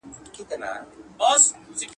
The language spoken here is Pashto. په هغه شپه مي نیمګړی ژوند تمام وای.